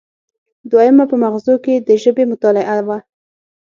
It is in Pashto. دویمه په مغزو کې د ژبې مطالعه وه